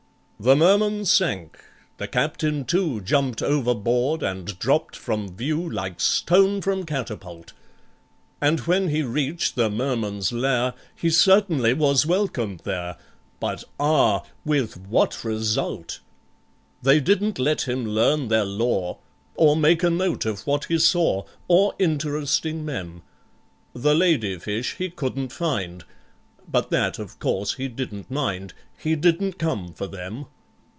The Merman sank—the Captain too Jumped overboard, and dropped from view Like stone from catapult; And when he reached the Merman's lair, He certainly was welcomed there, But, ah! with what result? They didn't let him learn their law, Or make a note of what he saw, Or interesting mem.: The lady fish he couldn't find, But that, of course, he didn't mind— He didn't come for them.